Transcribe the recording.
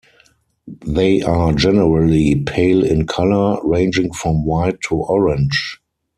They are generally pale in colour, ranging from white to orange.